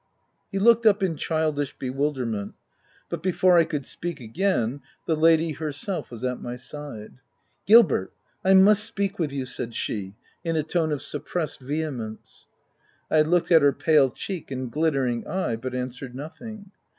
He looked up in childish bewilderment ; but before I could speak again, the lady herself was at my side. OF WILDFELL HALL. 253 ct Gilbert, I must speak with you !" said she in a tone of suppressed vehemence. I looked at her pale cheek and glittering eye, but answered nothing.